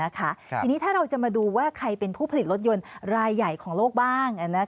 ทีนี้ถ้าเราจะมาดูว่าใครเป็นผู้ผลิตรถยนต์รายใหญ่ของโลกบ้าง